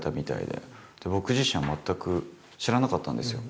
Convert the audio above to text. で僕自身は全く知らなかったんですよ。